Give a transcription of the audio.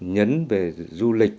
nhấn về du lịch